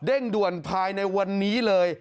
ด่วนภายในวันนี้เลย